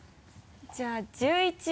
じゃあ１１位。